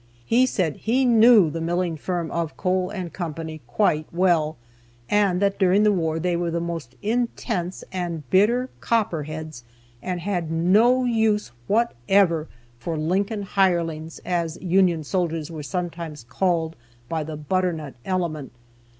He said he knew the milling firm of Cole & Co. quite well, and that during the war they were most intense and bitter Copperheads, and had no use whatever for "Lincoln hirelings," as Union soldiers were sometimes called by the "Butternut" element.